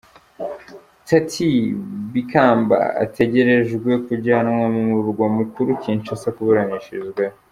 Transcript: Tathy Bikamba ategerejwe kujyanwa mu murwa mukuru Kinshansa kuburanishirizwayo.